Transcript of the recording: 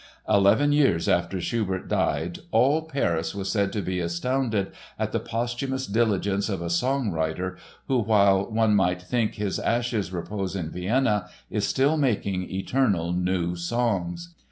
Eleven years after Schubert died "all Paris" was said to be astounded at the "posthumous diligence of a song writer who, while one might think his ashes repose in Vienna, is still making eternal new songs"!